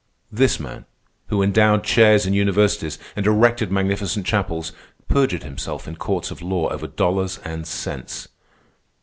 This man, who endowed chairs in universities and erected magnificent chapels, perjured himself in courts of law over dollars and cents.